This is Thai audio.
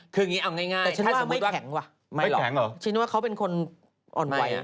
คืออย่างนี้เอาง่ายค่ะสมมุติว่าไม่หรอกเขาเป็นคนอ่อนไหว